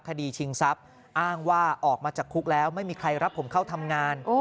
ชิงทรัพย์อ้างว่าออกมาจากคุกแล้วไม่มีใครรับผมเข้าทำงาน